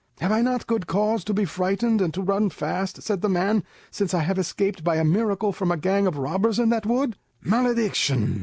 "Have I not good cause to be frightened and to run fast," said the man, "since I have escaped by a miracle from a gang of robbers in that wood?" "Malediction!